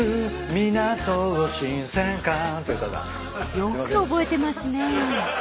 ［よく覚えてますね］